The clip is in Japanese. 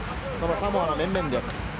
サモアの面々です。